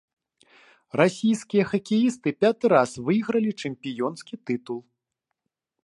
Расійскія хакеісты пяты раз выйгралі чэмпіёнскі тытул.